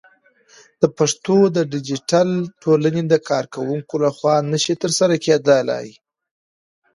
د پښتو ديجيتل ټولنې د کارکوونکو لخوا نشي ترسره کېدلى